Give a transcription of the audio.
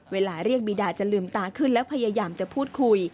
เวลาเรียกบีดาจะลืมตาขึ้นแล้วพยายามจะพูดคุย